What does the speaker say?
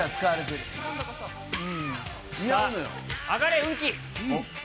さあ、上がれ、運気！